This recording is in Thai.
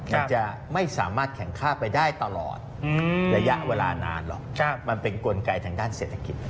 มันจะไม่สามารถแข่งค่าไปได้ตลอดระยะเวลานานหรอกมันเป็นกลไกทางด้านเศรษฐกิจ